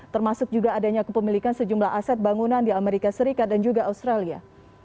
termasuk juga adanya kepemilikan sejumlah aset bangunan di amerika serikat dan juga australia